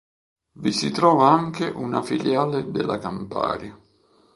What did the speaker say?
Vi si trova anche una filiale della Campari.